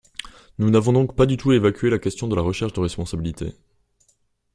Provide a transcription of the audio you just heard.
Nous n’avons donc pas du tout évacué la question de la recherche de responsabilité.